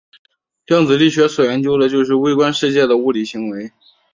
量子力学所研究的就是微观世界的物理行为。